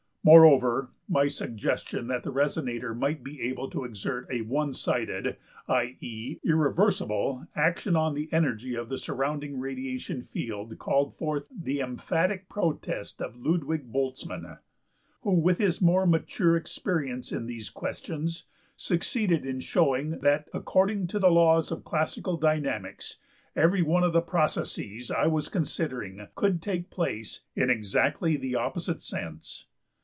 Moreover, my suggestion that the resonator might be able to exert a one sided, i.~e.~irreversible, action on the energy of the surrounding radiation field called forth the emphatic protest of Ludwig Boltzmann(5), who with his more mature experience in these questions succeeded in showing that according to the laws of the classical dynamics every one of the processes I was considering could take place in exactly the opposite sense.